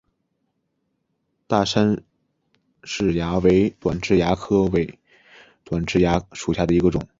大杉氏蚜为短痣蚜科伪短痣蚜属下的一个种。